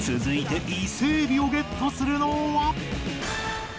［続いて伊勢エビをゲットするのは］